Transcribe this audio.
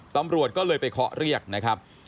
ตำรวจก็เลยไปเคาะเรียกนะครับ